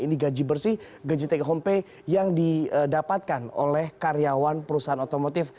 ini gaji bersih gaji take home pay yang didapatkan oleh karyawan perusahaan otomotif